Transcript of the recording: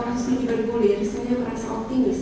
kasus ini bergulir saya merasa optimis